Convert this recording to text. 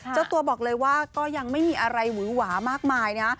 เจ้าตัวบอกเลยว่าก็ยังไม่มีอะไรหวือหวามากมายนะ